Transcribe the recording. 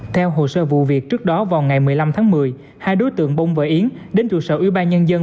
theo hồ sơ vụ việc trước đó vào ngày một mươi năm tháng một mươi hai đối tượng bông và yến đến trụ sở ưu ba nhân dân